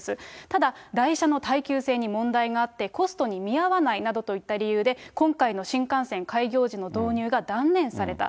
ただ、台車の耐久性に問題があって、コストに見合わないなどといった理由で今回の新幹線開業時の導入が断念された。